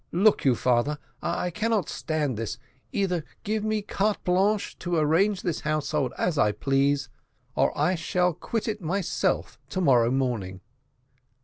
"Look you, father, I cannot stand this; either give me a carte blanche to arrange this household as I please, or I shall quit it myself to morrow morning."